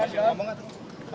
kamu mau gak tuh